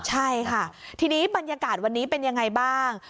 ใช่ค่ะทีนี้บรรยากาศวันนี้เป็นยังไงบ้าง